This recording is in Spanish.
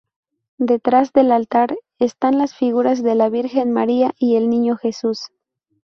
Detrás del altar, están las figuras de la Virgen María y el Niño Jesús.